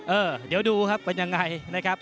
เออเดี๋ยวดูครับเป็นยังไงนะครับ